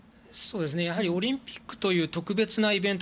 やはりオリンピックという特別なイベント